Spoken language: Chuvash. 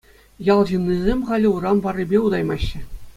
Ял ҫыннисем халӗ урам варрипе утаймаҫҫӗ.